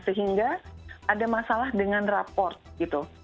sehingga ada masalah dengan raport gitu